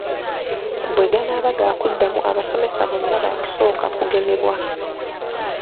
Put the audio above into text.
Bwe ganaaba gakuddamu abasomesa bonna baakusooka kugemebwa.